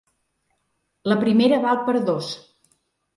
La primera val per dos.